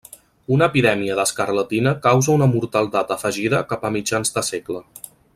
Una epidèmia d'escarlatina causa una mortaldat afegida cap a mitjans de segle.